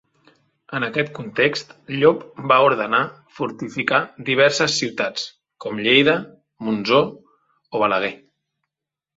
En aquest context Llop va ordenar fortificar diverses ciutats, com Lleida, Montsó o Balaguer.